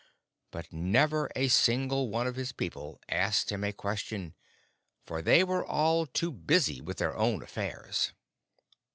But never a single one of his people asked him a question, for they were all too busy with their own affairs.